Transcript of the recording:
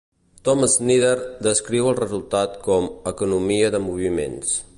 Tom Snyder descriu el resultat com "economia de moviments".